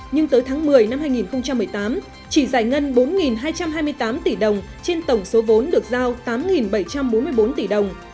nhưng tới tháng một mươi năm hai nghìn một mươi tám chỉ giải ngân bốn hai trăm hai mươi tám tỷ đồng trên tổng số vốn được giao tám bảy trăm bốn mươi bốn tỷ đồng